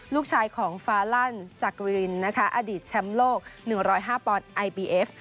ลูกชายของฟาลันด์สักวิรินนะคะอดีตแชมป์โลกหนึ่งร้อยห้าปอนด์ไอบีเอฟ